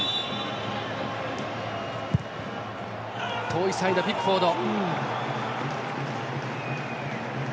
遠いサイド、ピックフォード。